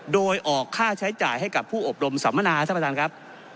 โดยออกค่าใช้จ่ายให้กับผู้อบรมสัมมนาท่านประธานครับ